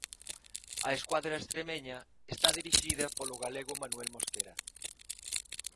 A escuadra estremeña está dirixida polo galego Manuel Mosquera.